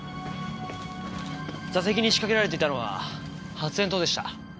座席に仕掛けられていたのは発煙筒でした。